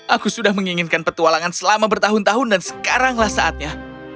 aku sudah menginginkan petualangan selama bertahun tahun dan sekaranglah saatnya